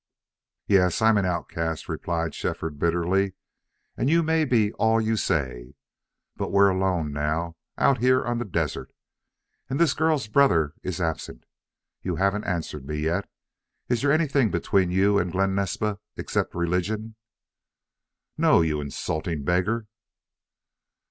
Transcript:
"Yes, I'm an outcast," replied Shefford, bitterly. "And you may be all you say. But we're alone now out here on the desert. And this girl's brother is absent. You haven't answered me yet.... Is there anything between you and Glen Naspa except religion?" "No, you insulting beggar?"